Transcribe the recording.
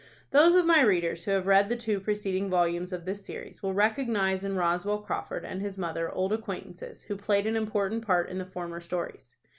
Those of my readers who have read the two preceding volumes of this series will recognize in Roswell Crawford and his mother old acquaintances who played an important part in the former stories.